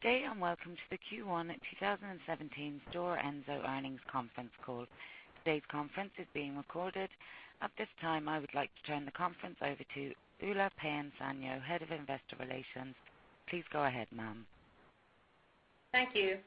Good day, welcome to the Q1 2017 Stora Enso earnings conference call. Today's conference is being recorded. At this time, I would like to turn the conference over to Ulla Paajanen-Sainio, Head of Investor Relations. Please go ahead, ma'am. Thank you.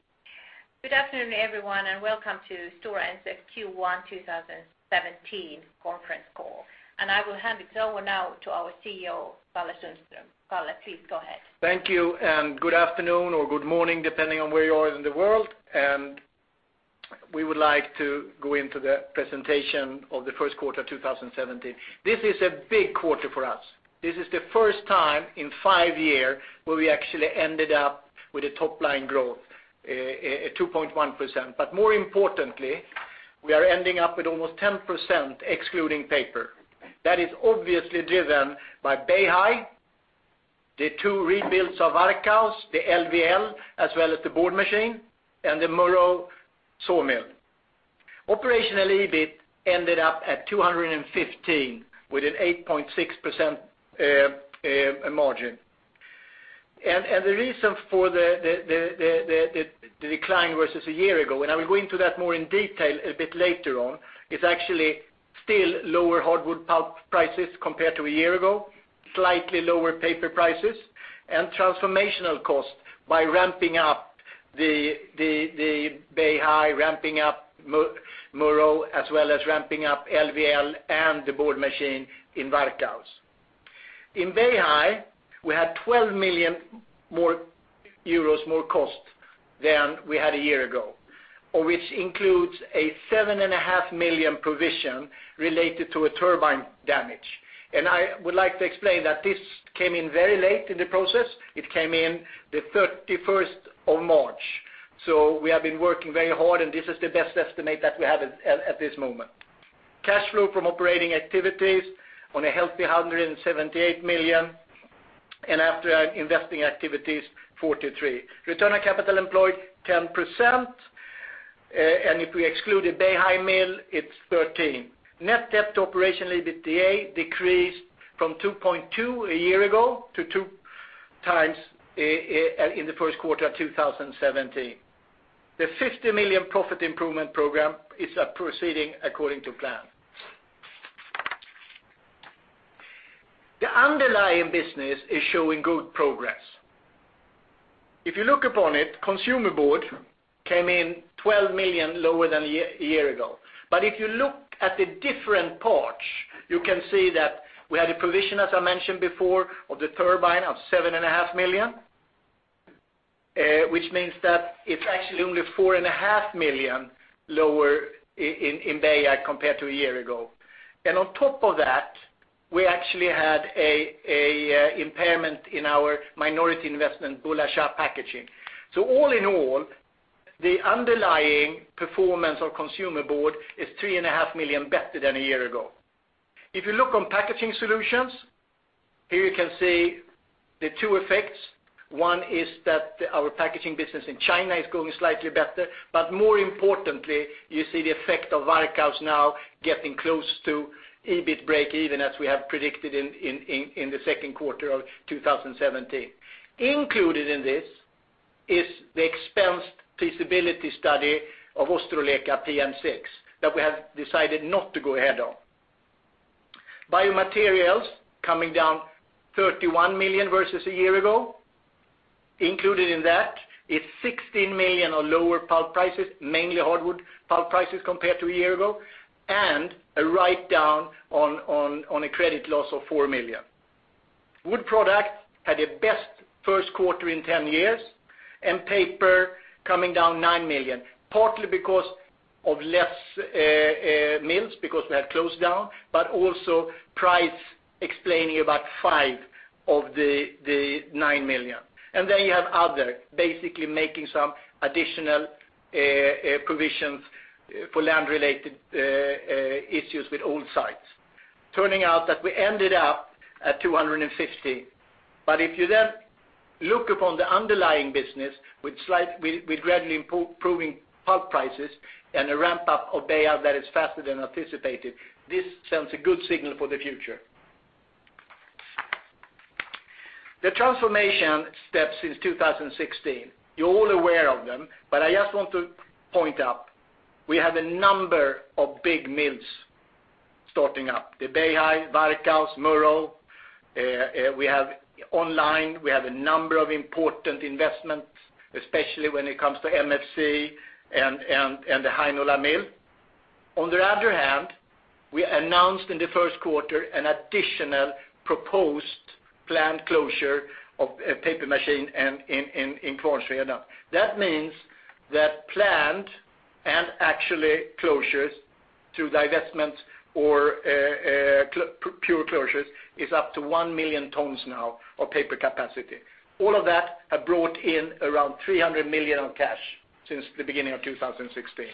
Good afternoon, everyone, welcome to Stora Enso Q1 2017 conference call. I will hand it over now to our CEO, Karl-Henrik Sundström. Palle, please go ahead. Thank you, good afternoon or good morning, depending on where you are in the world. We would like to go into the presentation of the first quarter 2017. This is a big quarter for us. This is the first time in 5 years where we actually ended up with a top-line growth, 2.1%. More importantly, we are ending up with almost 10% excluding paper. That is obviously driven by Beihai, the two rebuilds of Varkaus, the LVL, as well as the board machine, and the Murów sawmill. Operationally, EBIT ended up at 215 with an 8.6% margin. The reason for the decline versus a year ago, and I will go into that more in detail a bit later on, is actually still lower hardwood pulp prices compared to a year ago, slightly lower paper prices, and transformational cost by ramping up the Beihai, ramping up Murów, as well as ramping up LVL and the board machine in Varkaus. In Beihai, we had 12 million euros more cost than we had a year ago, which includes a seven and a half million provision related to a turbine damage. I would like to explain that this came in very late in the process. It came in the 31st of March. We have been working very hard, and this is the best estimate that we have at this moment. Cash flow from operating activities on a healthy 178 million, and after investing activities, 43. Return on capital employed, 10%, if we exclude the Beihai mill, it's 13%. Net debt to operational EBITDA decreased from 2.2 a year ago to 2 times in the first quarter of 2017. The 50 million profit improvement program is proceeding according to plan. The underlying business is showing good progress. If you look upon it, consumer board came in 12 million lower than a year ago. If you look at the different parts, you can see that we had a provision, as I mentioned before, of the turbine of seven and a half million, which means that it's actually only four and a half million lower in Beihai compared to a year ago. On top of that, we actually had an impairment in our minority investment, Bulleh Shah Packaging. All in all, the underlying performance of consumer board is three and a half million better than a year ago. If you look on packaging solutions, here you can see the 2 effects. One is that our packaging business in China is going slightly better, more importantly, you see the effect of Varkaus now getting close to EBIT break-even, as we have predicted in the second quarter of 2017. Included in this is the expensed feasibility study of Ostrołęka PM6 that we have decided not to go ahead on. Biomaterials coming down 31 million versus a year ago. Included in that is 16 million on lower pulp prices, mainly hardwood pulp prices compared to a year ago, and a write-down on a credit loss of 4 million. Wood products had their best first quarter in 10 years. Paper coming down 9 million, partly because of less mills because we have closed down, but also price explaining about 5 of the 9 million. Then you have other, basically making some additional provisions for land-related issues with old sites. Turning out that we ended up at 250 million. If you then look upon the underlying business with gradually improving pulp prices and a ramp-up of Beihai that is faster than anticipated, this sends a good signal for the future. The transformation steps since 2016. You're all aware of them, but I just want to point out we have a number of big mills starting up. The Beihai, Varkaus, Murów. We have online, we have a number of important investments, especially when it comes to MFC and the Heinola mill. On the other hand, we announced in the first quarter an additional proposed plant closure of a paper machine in Kvarnsveden. That means that plant and actually closures through divestments or pure closures is up to 1 million tons now of paper capacity. All of that have brought in around 300 million of cash since the beginning of 2016.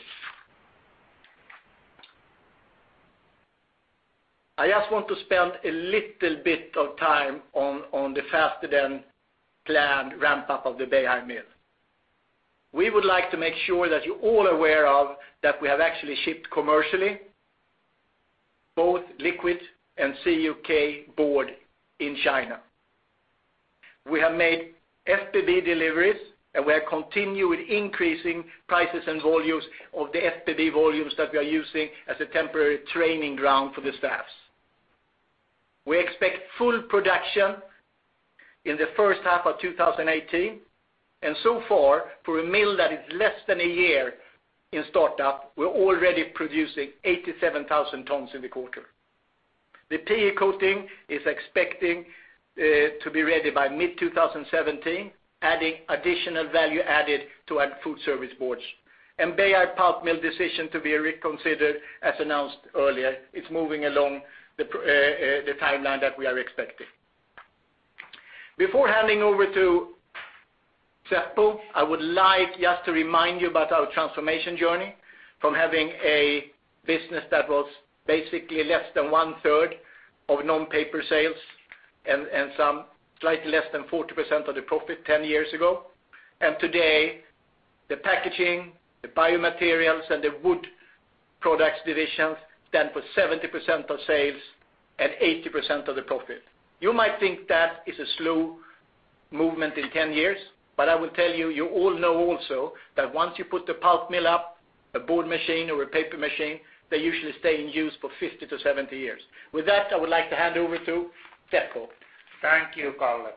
I just want to spend a little bit of time on the faster-than-planned ramp-up of the Beihai mill. We would like to make sure that you're all aware of that we have actually shipped commercially both liquid and CUK board in China. We have made FBB deliveries, we are continuing with increasing prices and volumes of the FBB volumes that we are using as a temporary training ground for the staffs. We expect full production in the first half of 2018. So far, for a mill that is less than a year in startup, we're already producing 87,000 tons in the quarter. The PE coating is expecting to be ready by mid-2017, adding additional value added to our food service boards. Beihai pulp mill decision to be reconsidered as announced earlier. It's moving along the timeline that we are expecting. Before handing over to Seppo, I would like just to remind you about our transformation journey from having a business that was basically less than one-third of non-paper sales and some slightly less than 40% of the profit 10 years ago. Today, the packaging, the biomaterials, and the wood products divisions stand for 70% of sales and 80% of the profit. You might think that is a slow movement in 10 years, I will tell you all know also that once you put the pulp mill up, a board machine or a paper machine, they usually stay in use for 50 to 70 years. With that, I would like to hand over to Seppo. Thank you, Kalle.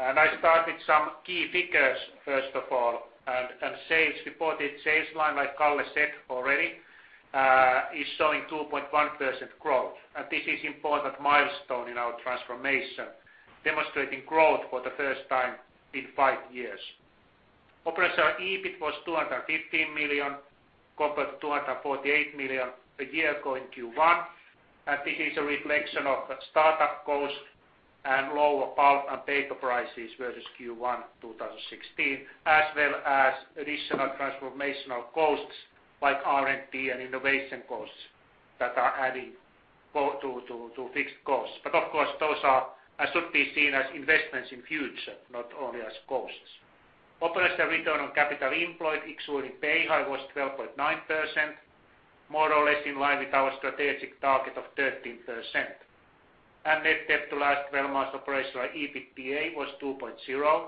I start with some key figures, first of all. Reported sales line, like Kalle said already, is showing 2.1% growth. This is important milestone in our transformation, demonstrating growth for the first time in five years. Operational EBIT was 215 million compared to 248 million a year ago in Q1. This is a reflection of startup cost and lower pulp and paper prices versus Q1 2016, as well as additional transformational costs like R&D and innovation costs that are adding to fixed costs. Of course, those should be seen as investments in future, not only as costs. Operational return on capital employed, excluding Beihai, was 12.9%, more or less in line with our strategic target of 13%. Net debt to last 12 months operational EBITDA was 2.0,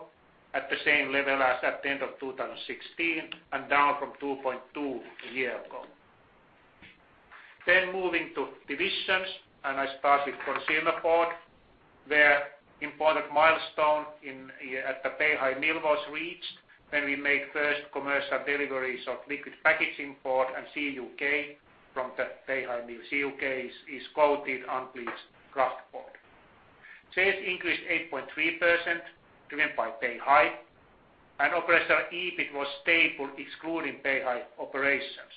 at the same level as at the end of 2016 and down from 2.2 a year ago. Moving to divisions, I start with Consumer Board, where important milestone at the Beihai mill was reached when we made first commercial deliveries of liquid packaging board and CUK from the Beihai mill. CUK is coated unbleached kraft board. Sales increased 8.3%, driven by Beihai, operational EBIT was stable excluding Beihai operations.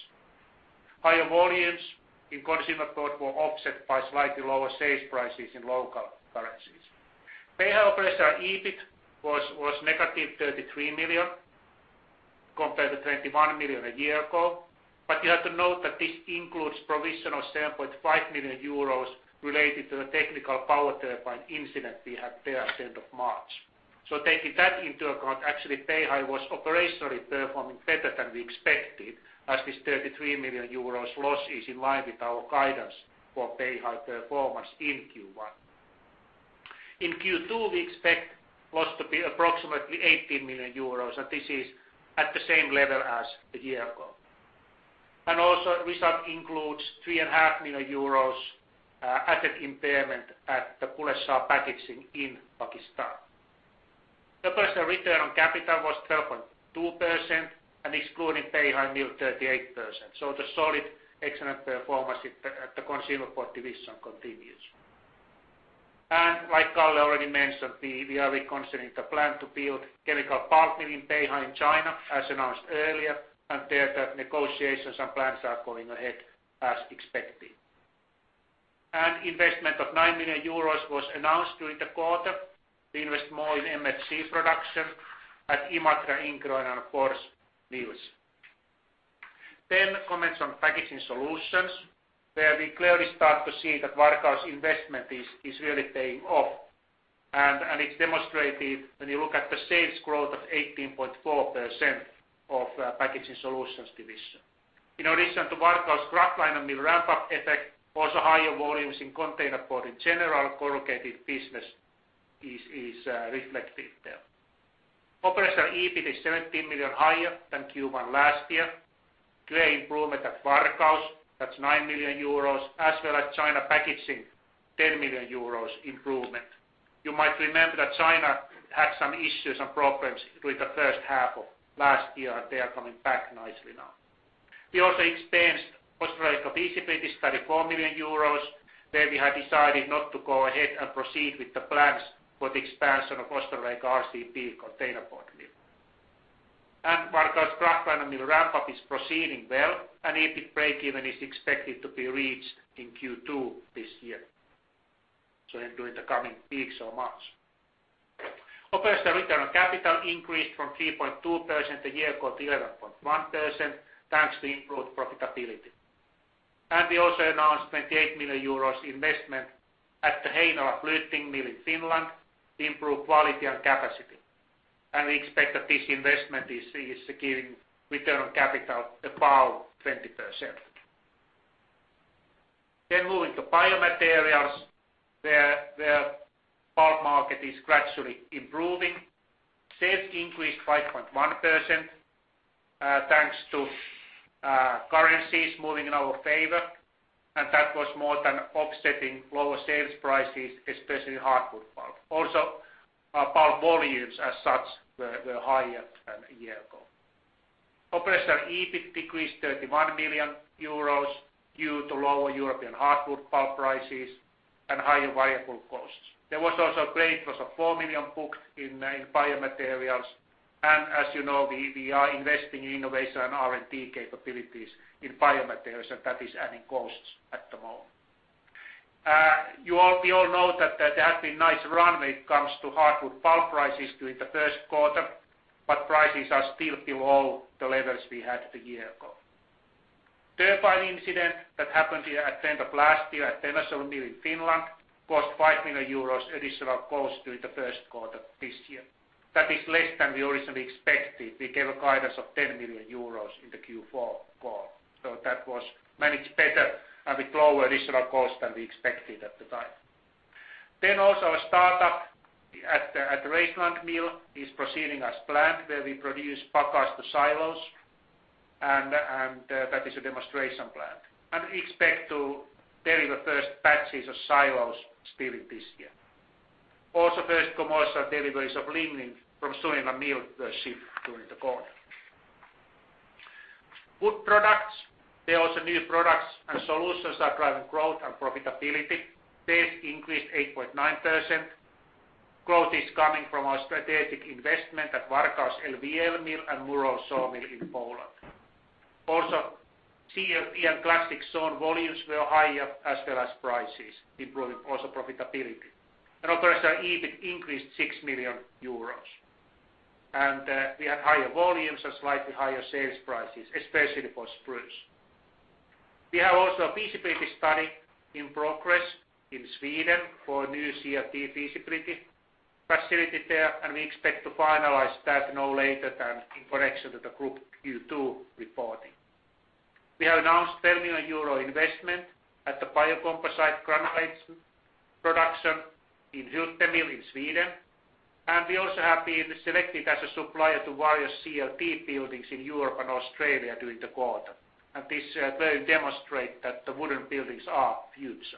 Higher volumes in Consumer Board were offset by slightly lower sales prices in local currencies. Beihai operational EBIT was negative 33 million, compared to 21 million a year ago. You have to note that this includes provision of 7.5 million euros related to the technical power turbine incident we had there at the end of March. Taking that into account, actually, Beihai was operationally performing better than we expected, as this 33 million euros loss is in line with our guidance for Beihai performance in Q1. In Q2, we expect loss to be approximately 18 million euros, this is at the same level as a year ago. Result includes 3.5 million euros added impairment at the Bulleh Shah Packaging in Pakistan. Operational return on capital was 12.2%, excluding Beihai mill, 38%. The solid, excellent performance at the Consumer Board division continues. Kalle already mentioned, we are reconsidering the plan to build chemical pulp mill in Beihai in China, as announced earlier, there the negotiations and plans are going ahead as expected. An investment of 9 million euros was announced during the quarter to invest more in MFC production at Imatra, Inkeroinen, and Fors mills. Comments on Packaging Solutions, where we clearly start to see that Varkaus investment is really paying off. It's demonstrated when you look at the sales growth of 18.4% of Packaging Solutions division. In addition to Varkaus kraftliner mill ramp-up effect, also higher volumes in containerboard and general corrugated business is reflected there. Operational EBIT is 17 million higher than Q1 last year. Great improvement at Varkaus, that's 9 million euros, as well as China Packaging, 10 million euros improvement. You might remember that China had some issues and problems during the first half of last year, they are coming back nicely now. We also expensed Australia PCP study, 4 million euros, where we had decided not to go ahead and proceed with the plans for the expansion of Australia RCP containerboard mill. Varkaus kraftliner mill ramp-up is proceeding well, EBIT breakeven is expected to be reached in Q2 this year. During the coming weeks or months. Operational return on capital increased from 3.2% a year ago to 11.1% thanks to improved profitability. We also announced 28 million euros investment at the Heinola Fluting Mill in Finland to improve quality and capacity. We expect that this investment is giving return on capital above 20%. Moving to biomaterials, where pulp market is gradually improving. Sales increased 5.1% thanks to currencies moving in our favor, that was more than offsetting lower sales prices, especially hardwood pulp. Pulp volumes as such were higher than a year ago. Operational EBIT decreased 31 million euros due to lower European hardwood pulp prices and higher variable costs. There was impairment of 4 million booked in biomaterials, as you know, we are investing in innovation and R&D capabilities in biomaterials, that is adding costs at the moment. We all know that there has been nice run when it comes to hardwood pulp prices during the first quarter, prices are still below the levels we had a year ago. Turbine incident that happened here at end of last year at Enocell mill in Finland caused 5 million euros additional cost during the first quarter of this year. That is less than we originally expected. We gave a guidance of 10 million euros in the Q4 call. That was managed better and with lower additional cost than we expected at the time. Our startup at the Raceland mill is proceeding as planned, where we produce baggase-to-xylose, that is a demonstration plant. We expect to deliver first batches of silos still in this year. Also, first commercial deliveries of lignin from Sunila Mill were shipped during the quarter. Wood products. There also new products and solutions are driving growth and profitability. Sales increased 8.9%. Growth is coming from our strategic investment at Varkaus LVL Mill and Murów Sawmill in Poland. Also, CLT and classic sawn volumes were higher, as well as prices, improving also profitability. Operational EBIT increased 6 million euros. We had higher volumes and slightly higher sales prices, especially for spruce. We have also a feasibility study in progress in Sweden for new CLT feasibility facility there, and we expect to finalize that no later than in connection with the group Q2 reporting. We have announced 12 million euro investment at the biocomposite granulation production in Hylte Mill in Sweden. We also have been selected as a supplier to various CLT buildings in Europe and Australia during the quarter. This very demonstrate that the wooden buildings are future.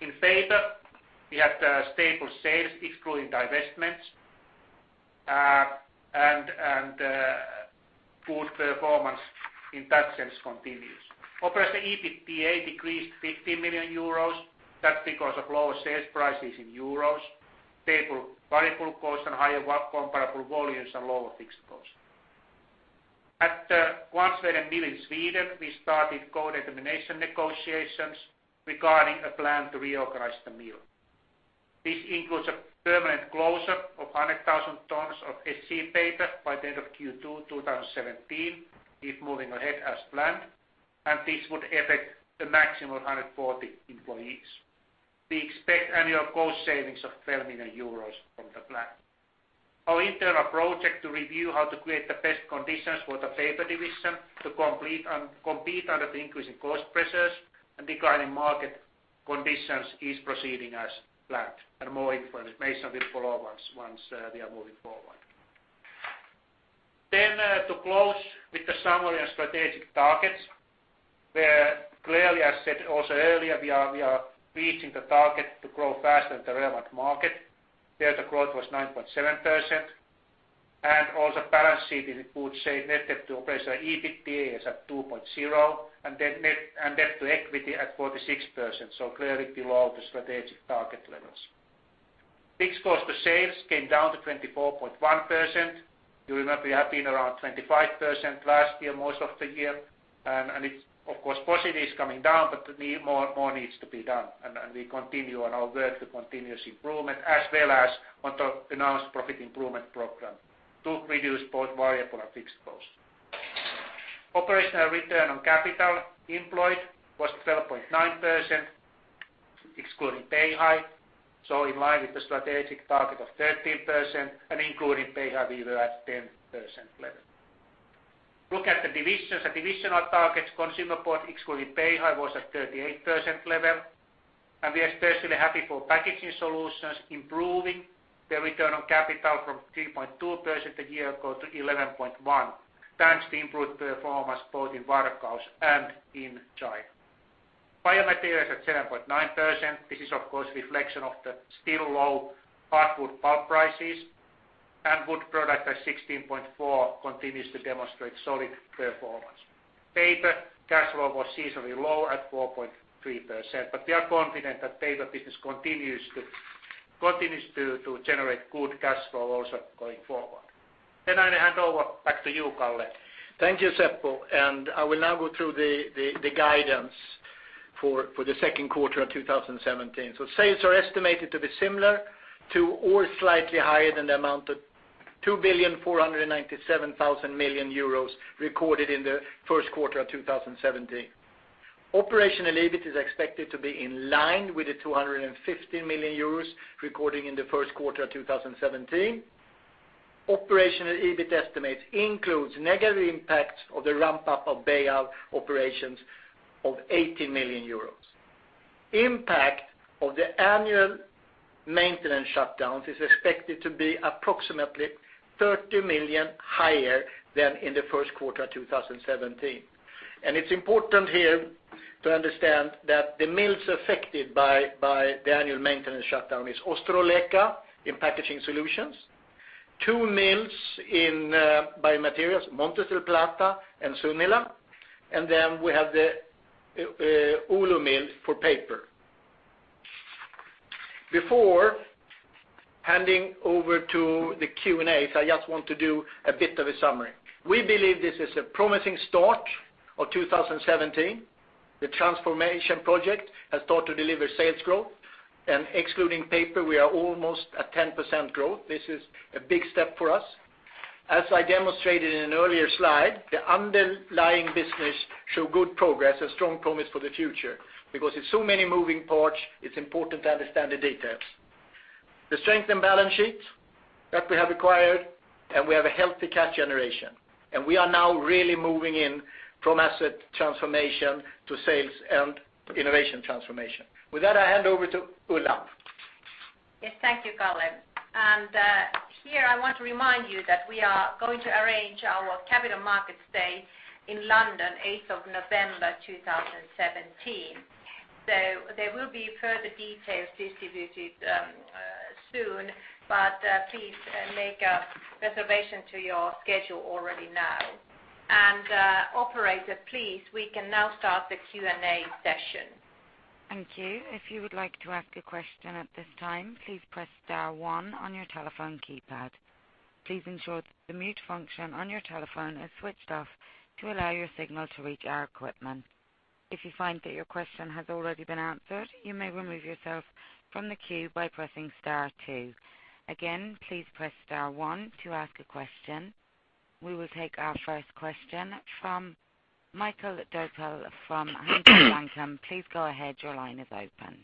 In paper, we have the stable sales excluding divestments, and good performance in that sense continues. Operating EBITDA decreased 50 million euros. That's because of lower sales prices in EUR, stable variable costs and higher comparable volumes and lower fixed costs. At the Kvarnsveden Mill in Sweden, we started code determination negotiations regarding a plan to reorganize the mill. This includes a permanent closure of 100,000 tons of SC paper by the end of Q2 2017, if moving ahead as planned, and this would affect a maximum 140 employees. We expect annual cost savings of 12 million euros from the plant. Our internal project to review how to create the best conditions for the paper division to compete under the increasing cost pressures and declining market conditions is proceeding as planned. More information will follow once they are moving forward. To close with the summary and strategic targets, where clearly, as said also earlier, we are reaching the target to grow faster than the relevant market. There the growth was 9.7%. Also balance sheet is in good shape. Net debt to operational EBITDA is at 2.0 and debt to equity at 46%, so clearly below the strategic target levels. Fixed cost to sales came down to 24.1%. You remember we have been around 25% last year, most of the year. It's of course positive it's coming down, but more needs to be done. We continue on our work to continuous improvement as well as on the announced profit improvement program to reduce both variable and fixed costs. Operational return on capital employed was 12.9%, excluding Beihai. So in line with the strategic target of 13%, and including Beihai, we were at 10% level. Look at the divisions. The divisional targets consumer board excluding Beihai was at 38% level. We are especially happy for packaging solutions improving the return on capital from 3.2% a year ago to 11.1%, thanks to improved performance both in Varkaus and in China. Biomaterials at 7.9%. This is of course reflection of the still low hardwood pulp prices. Wood product at 16.4% continues to demonstrate solid performance. Paper, cash flow was seasonally low at 4.3%, we are confident that paper business continues to generate good cash flow also going forward. I hand over back to you, Kalle. Thank you, Seppo. I will now go through the guidance for the second quarter of 2017. Sales are estimated to be similar to or slightly higher than the amount of 2,497 million euros recorded in the first quarter of 2017. Operational EBIT is expected to be in line with the 250 million euros recorded in the first quarter of 2017. Operational EBIT estimates include negative impacts of the ramp-up of Beihai operations of 80 million euros. Impact of the annual maintenance shutdowns is expected to be approximately 30 million higher than in the first quarter of 2017. It's important here to understand that the mills affected by the annual maintenance shutdown is Ostrołęka in packaging solutions, two mills in biomaterials, Montes del Plata and Sunila, and then we have the Oulu mill for paper. Before handing over to the Q&A, I just want to do a bit of a summary. We believe this is a promising start of 2017. The transformation project has started to deliver sales growth, and excluding paper, we are almost at 10% growth. This is a big step for us. As I demonstrated in an earlier slide, the underlying business shows good progress and strong promise for the future. Because it's so many moving parts, it's important to understand the details. The strength and balance sheet that we have acquired, and we have a healthy cash generation, and we are now really moving in from asset transformation to sales and innovation transformation. With that, I hand over to Ulla. Yes, thank you, Karl. Here I want to remind you that we are going to arrange our capital markets day in London, 8th of November 2017. There will be further details distributed soon, but please make a reservation to your schedule already now. Operator, please, we can now start the Q&A session. Thank you. If you would like to ask a question at this time, please press star one on your telephone keypad. Please ensure that the mute function on your telephone is switched off to allow your signal to reach our equipment. If you find that your question has already been answered, you may remove yourself from the queue by pressing star two. Again, please press star one to ask a question. We will take our first question from Mikael Doepel from Handelsbanken. Please go ahead. Your line is open.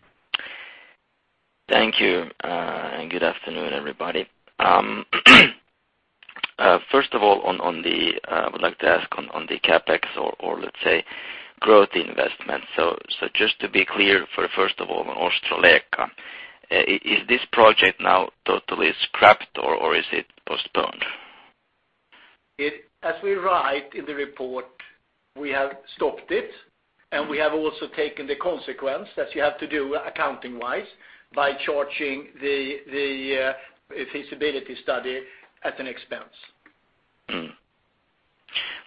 Thank you, good afternoon, everybody. First of all, I would like to ask on the CapEx or let's say growth investment. Just to be clear for first of all, on Ostrołęka. Is this project now totally scrapped or is it postponed? As we write in the report, we have stopped it, we have also taken the consequence as you have to do accounting-wise by charging the feasibility study at an expense.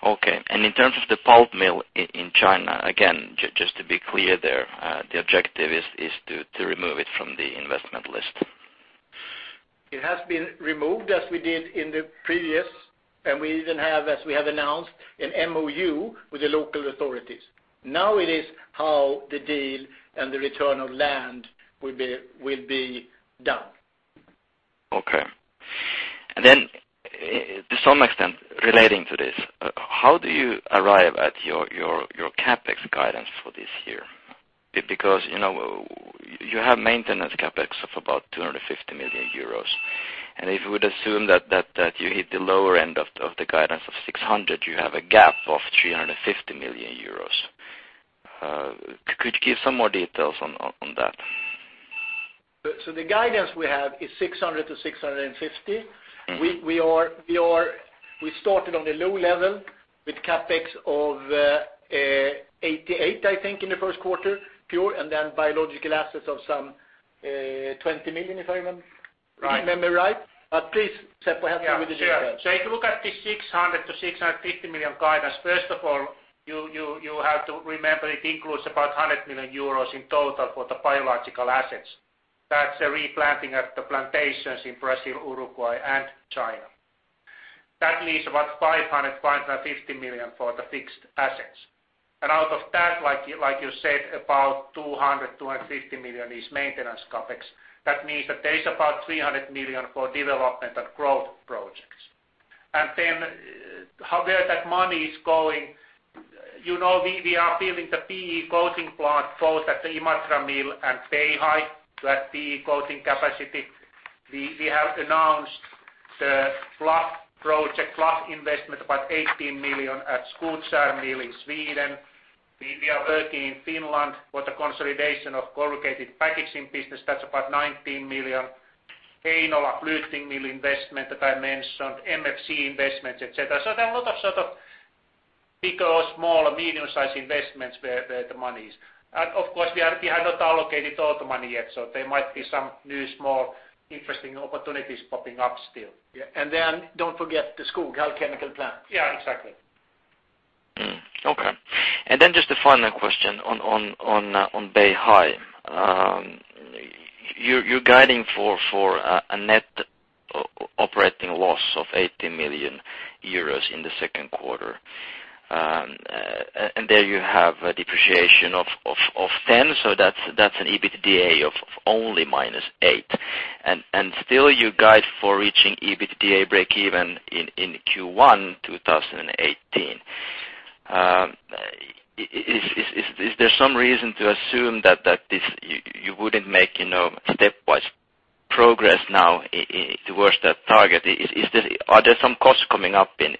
Okay. In terms of the pulp mill in China, again, just to be clear there, the objective is to remove it from the investment list. It has been removed as we did in the previous, and we even have, as we have announced, an MoU with the local authorities. Now it is how the deal and the return of land will be done. Okay. To some extent relating to this, how do you arrive at your CapEx guidance for this year? Because you have maintenance CapEx of about 250 million euros. If you would assume that you hit the lower end of the guidance of 600 million, you have a gap of 350 million euros. Could you give some more details on that? The guidance we have is 600 million to 650 million. We started on the low level with CapEx of 88 million, I think, in the first quarter, pure, and then biological assets of some 20 million, if I remember right. Please, Seppo, help me with the details. Yeah, sure. If you look at the 600 million to 650 million guidance, first of all, you have to remember it includes about 100 million euros in total for the biological assets. That's replanting at the plantations in Brazil, Uruguay, and China. That leaves about 500 million to 550 million for the fixed assets. Out of that, like you said, about 200 million to 250 million is maintenance CapEx. That means that there is about 300 million for development and growth projects. Where that money is going, we are building the PE coating plant both at the Imatra mill and Beihai to add PE coating capacity. We have announced the fluff project, fluff investment, about 18 million at Skutskär mill in Sweden. We are working in Finland for the consolidation of corrugated packaging business. That's about 19 million. Heinola bleaching mill investment that I mentioned, MFC investments, et cetera. There are a lot of sort of bigger or small or medium-sized investments where the money is. Of course, we have not allocated all the money yet, there might be some new, small, interesting opportunities popping up still. Yeah. Don't forget the Skoghall chemical plant. Yeah, exactly. Okay. Just a final question on Beihai. You're guiding for a net operating loss of 80 million euros in the second quarter. There you have a depreciation of 10 million, that's an EBITDA of only minus 8 million. Still you guide for reaching EBITDA breakeven in Q1 2018. Is there some reason to assume that you wouldn't make stepwise progress now towards that target? Are there some costs coming up in,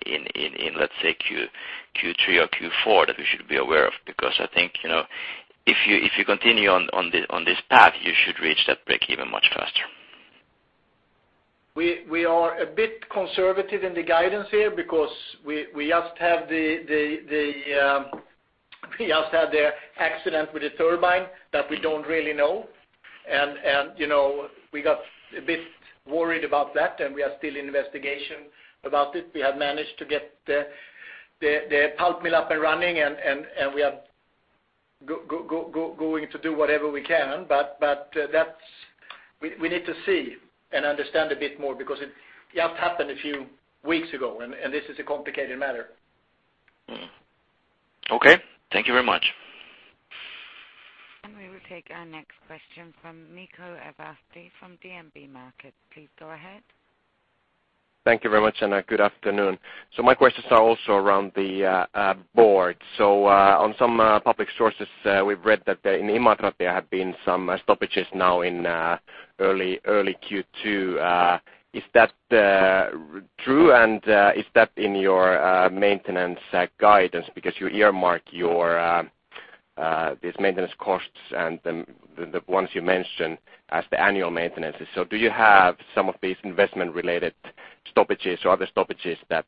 let's say, Q3 or Q4 that we should be aware of? I think, if you continue on this path, you should reach that breakeven much faster. We are a bit conservative in the guidance here because we just had the accident with the turbine that we don't really know. We got a bit worried about that, and we are still investigating about it. We have managed to get the pulp mill up and running, we are going to do whatever we can. We need to see and understand a bit more because it just happened a few weeks ago, and this is a complicated matter. Okay. Thank you very much. We will take our next question from Mikko Ervasti, from DNB Markets. Please go ahead. Thank you very much, and good afternoon. My questions are also around the board. On some public sources, we've read that in Imatra, there have been some stoppages now in early Q2. Is that true, and is that in your maintenance guidance? You earmark these maintenance costs and the ones you mentioned as the annual maintenances. Do you have some of these investment-related stoppages or other stoppages that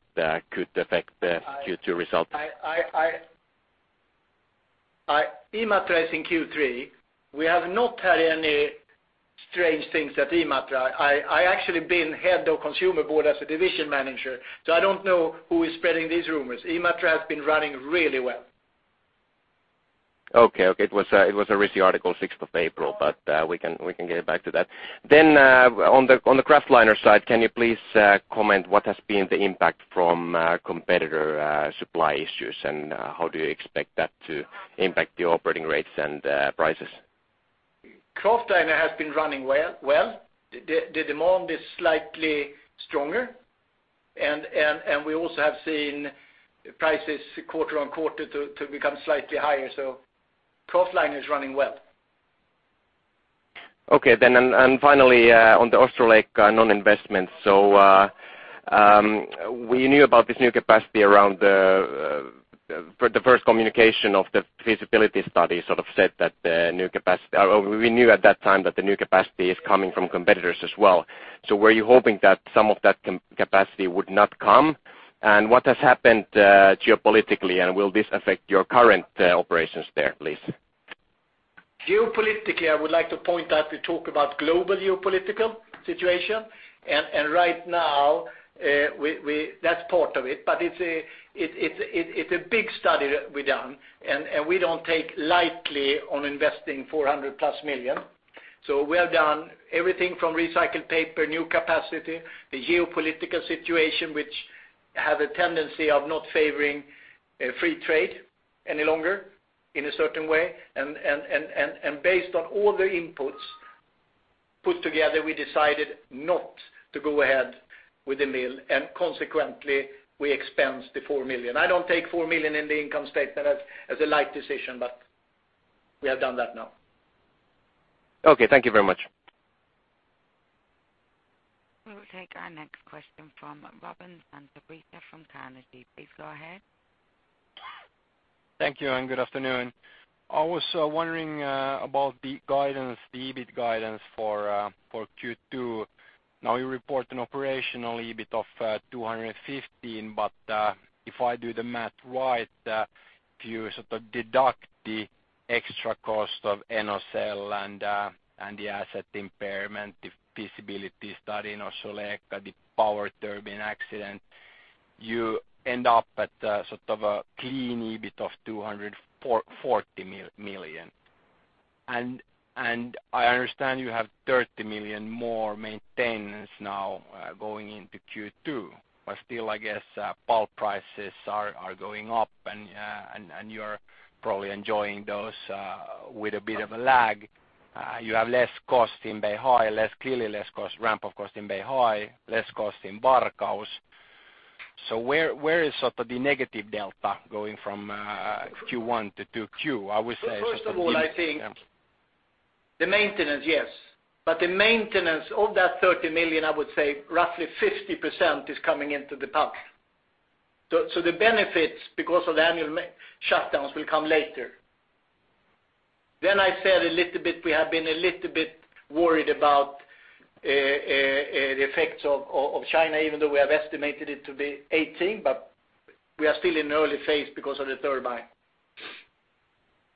could affect the Q2 result? Imatra is in Q3. We have not had any strange things at Imatra. I actually been head of consumer board as a division manager, so I don't know who is spreading these rumors. Imatra has been running really well. Okay. It was a recent article, 6th of April. We can get back to that. On the Kraftliner side, can you please comment what has been the impact from competitor supply issues, and how do you expect that to impact the operating rates and prices? Kraftliner has been running well. The demand is slightly stronger, and we also have seen prices quarter-on-quarter to become slightly higher. Kraftliner is running well. Okay. Finally, on the Ostrołęka non-investment. We knew about this new capacity around the first communication of the feasibility study, sort of said that the new capacity, or we knew at that time that the new capacity is coming from competitors as well. Were you hoping that some of that capacity would not come? What has happened geopolitically, and will this affect your current operations there, please? Geopolitically, I would like to point out, we talk about global geopolitical situation. Right now, that's part of it, but it's a big study that we've done. We don't take lightly on investing 400-plus million. We have done everything from recycled paper, new capacity, the geopolitical situation, which have a tendency of not favoring free trade any longer in a certain way. Based on all the inputs put together, we decided not to go ahead with the mill. Consequently, we expensed the 4 million. I don't take 4 million in the income statement as a light decision, but we have done that now. Okay. Thank you very much. We will take our next question from Robin Santavirta from Carnegie. Please go ahead. Thank you. Good afternoon. I was wondering about the guidance, the EBIT guidance for Q2. If I do the math right, if you sort of deduct the extra cost of Enocell, Landa and the asset impairment, the feasibility study in Ostrołęka, the power turbine accident, you end up at sort of a clean EBIT of 240 million. I understand you have 30 million more maintenance now going into Q2, still, I guess pulp prices are going up, and you're probably enjoying those with a bit of a lag. You have less cost in Beihai, clearly less cost, ramp-up cost in Beihai, less cost in Varkaus. Where is sort of the negative delta going from Q1 to 2Q? First of all, I think the maintenance, yes. The maintenance, of that 30 million, I would say roughly 50% is coming into the pulp. The benefits, because of the annual shutdowns, will come later. I said a little bit, we have been a little bit worried about the effects of China, even though we have estimated it to be 18, we are still in early phase because of the turbine.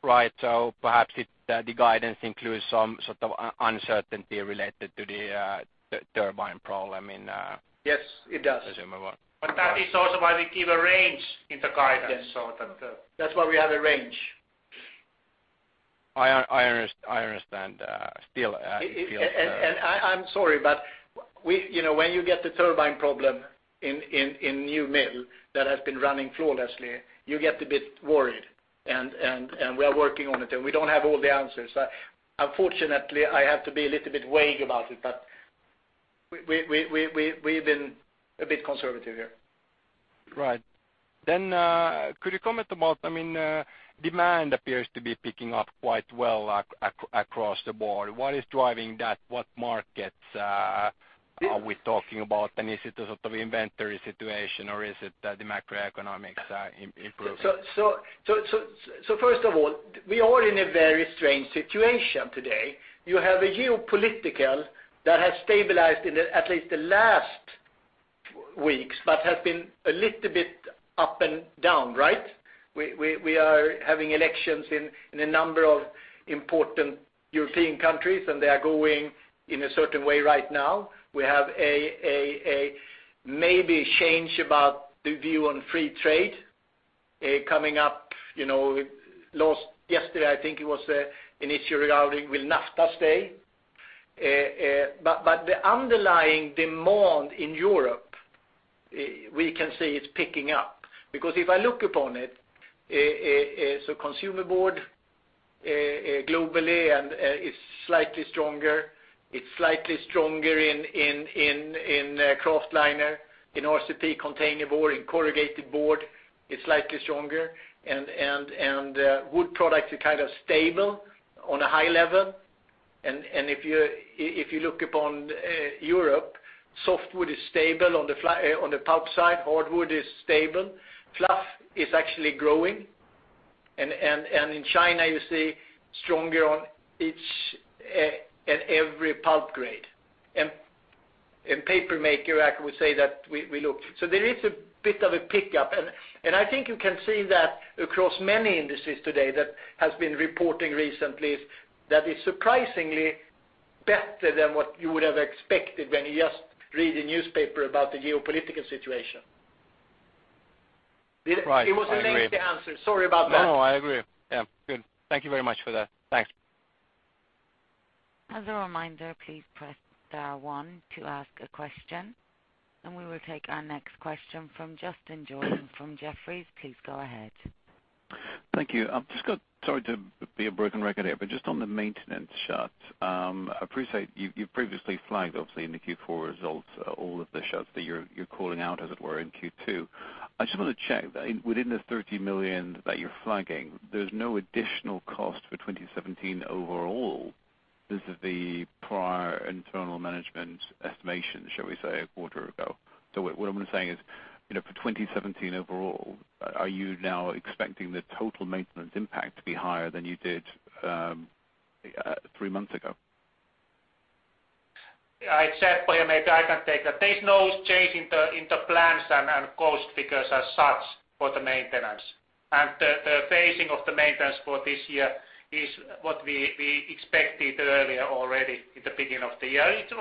Right. Perhaps the guidance includes some sort of uncertainty related to the turbine problem in- Yes, it does That is also why we give a range in the guidance, so that's why we have a range. I understand. Still, it feels. I'm sorry, When you get the turbine problem in new mill that has been running flawlessly, you get a bit worried, and we are working on it, and we don't have all the answers. Unfortunately, I have to be a little bit vague about it, but we've been a bit conservative here. Right. Could you comment about, demand appears to be picking up quite well across the board. What is driving that? What markets are we talking about? Is it a sort of inventory situation or is it that the macroeconomics are improving? First of all, we are in a very strange situation today. You have a geopolitical that has stabilized in at least the last weeks, but has been a little bit up and down. We are having elections in a number of important European countries, and they are going in a certain way right now. We have a maybe change about the view on free trade coming up. Yesterday, I think it was an issue regarding will NAFTA stay. The underlying demand in Europe, we can see it's picking up because if I look upon it, so consumer board globally and is slightly stronger. It's slightly stronger in kraftliner, in RCP containerboard, in corrugated board, it's slightly stronger and wood products are kind of stable on a high level. If you look upon Europe, softwood is stable on the pulp side, hardwood is stable, fluff is actually growing. In China you see stronger on each and every pulp grade. Paper maker, I would say that we look. There is a bit of a pickup. I think you can see that across many industries today that has been reporting recently that is surprisingly better than what you would have expected when you just read the newspaper about the geopolitical situation. Right. I agree. It was a lengthy answer. Sorry about that. No, I agree. Yeah. Good. Thank you very much for that. Thanks. As a reminder, please press star one to ask a question. We will take our next question from Justin Jordan from Jefferies. Please go ahead. Thank you. Sorry to be a broken record here, just on the maintenance shut. I appreciate you previously flagged, obviously in the Q4 results, all of the shuts that you're calling out, as it were in Q2. I just want to check that within the 30 million that you're flagging, there's no additional cost for 2017 overall. This is the prior internal management estimation, shall we say, a quarter ago. What I'm saying is, for 2017 overall, are you now expecting the total maintenance impact to be higher than you did three months ago? Yeah, I said maybe I can take that. There's no change in the plans and cost figures as such for the maintenance. The phasing of the maintenance for this year is what we expected earlier already in the beginning of the year. It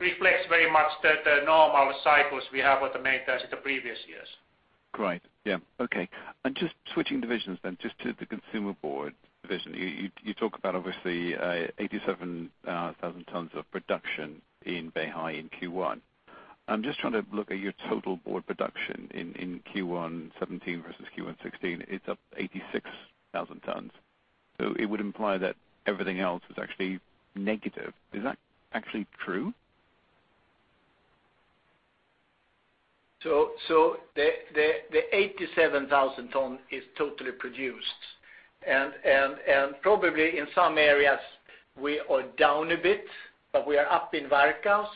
also reflects very much the normal cycles we have with the maintenance in the previous years. Great. Yeah. Okay. Just switching divisions, just to the consumer board division. You talk about obviously, 87,000 tons of production in Beihai in Q1. I'm just trying to look at your total board production in Q1 2017 versus Q1 2016. It's up 86,000 tons. It would imply that everything else is actually negative. Is that actually true? The 87,000 tons is totally produced and probably in some areas we are down a bit, but we are up in Varkaus.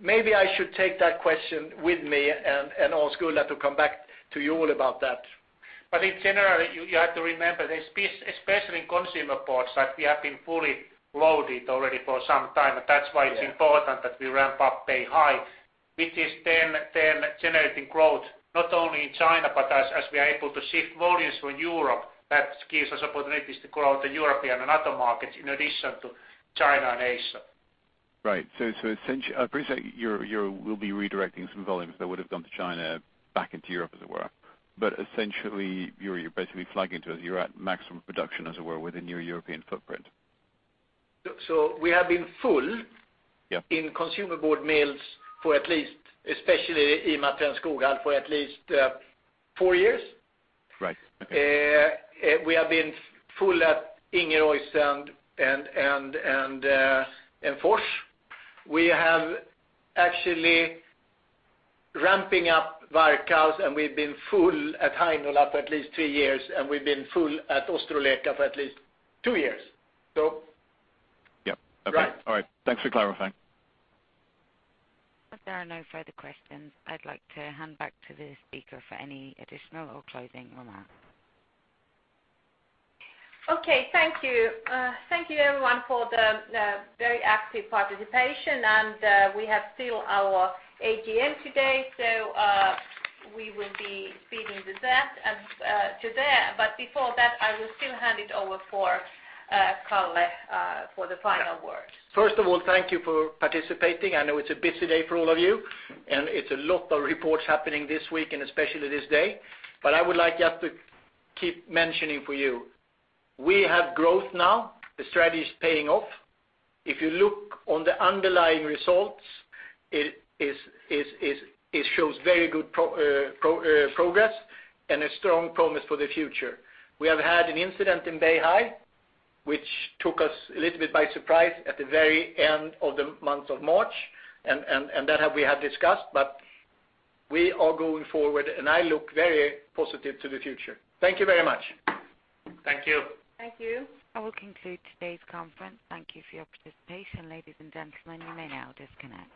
Maybe I should take that question with me and ask Ulla to come back to you all about that. In general, you have to remember this, especially in consumer boards, that we have been fully loaded already for some time. That's why it's important that we ramp up Beihai, which is then generating growth not only in China, but as we are able to shift volumes from Europe, that gives us opportunities to grow the European and other markets in addition to China and Asia. Right. I appreciate you will be redirecting some volumes that would have gone to China back into Europe, as it were. Essentially, you're basically flagging to us, you're at maximum production, as it were, within your European footprint. We have been full- Yeah in consumer board mills for at least, especially in Bäckhammar and Skoghall, for at least four years. Right. Okay. We have been full at Ingerois and Fors. We have actually ramping up Varkaus. We've been full at Heinola for at least three years. We've been full at Ostrołęka for at least two years. Yep. Okay. Right. All right. Thanks for clarifying. If there are no further questions, I'd like to hand back to the speaker for any additional or closing remarks. Okay. Thank you. Thank you everyone for the very active participation. We have still our AGM today, so we will be feeding the back to that. Before that I will still hand it over for Kalle for the final words. First of all, thank you for participating. I know it's a busy day for all of you, and it's a lot of reports happening this week and especially this day. I would like just to keep mentioning for you, we have growth now. The strategy is paying off. If you look on the underlying results, it shows very good progress and a strong promise for the future. We have had an incident in Beihai which took us a little bit by surprise at the very end of the month of March, and that we have discussed, but we are going forward and I look very positive to the future. Thank you very much. Thank you. Thank you. I will conclude today's conference. Thank you for your participation. Ladies and gentlemen, you may now disconnect.